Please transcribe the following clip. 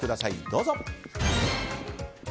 どうぞ。